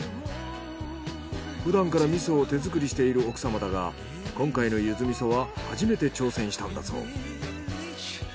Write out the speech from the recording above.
ふだんから味噌を手作りしている奥様だが今回の柚子味噌は初めて挑戦したんだそう。